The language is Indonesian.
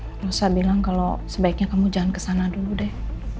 nggak usah bilang kalau sebaiknya kamu jalan kesana dulu deh